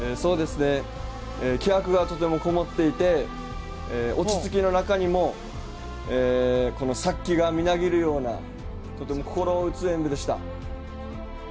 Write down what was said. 気迫がとてもこもっていて落ち着きの中にもこの殺気がみなぎるようなとても心を打つ演武でした。